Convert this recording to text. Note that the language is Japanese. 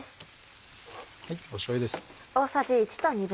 しょうゆです。